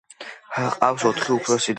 ჰყავს ოთხი უფროსი და.